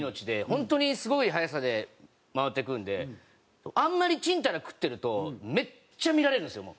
本当にすごい早さで回っていくんであんまりちんたら食ってるとめっちゃ見られるんですよ